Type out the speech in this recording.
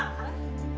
tambah lagi bu